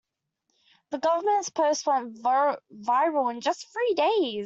The government's post went viral in just three days.